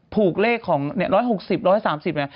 ผูกเลขของ๑๖๐๑๓๐เนี่ย